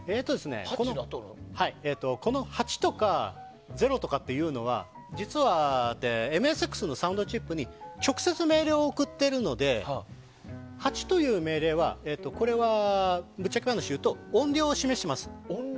この８とか０というのは実は、ＭＳＸのサウンドチップに直接命令を送っているので８という命令はぶっちゃけ話でいうと音量を示します。